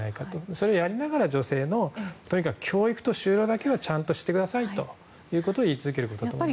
それをやりながら、女性の教育と就労だけはちゃんとしてくださいと言い続けるべきだと思います。